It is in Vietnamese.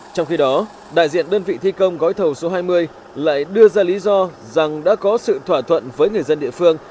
trong khi đó đại diện đơn vị thi công gói thầu số hai mươi lại đưa ra lý do rằng đã có sự thỏa thuận với người dân địa phương